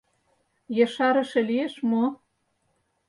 Ешарыше лиеш мо?